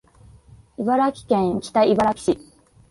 茨城県北茨城市